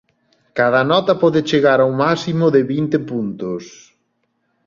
Cada nota pode chegar a un máximo de vinte puntos.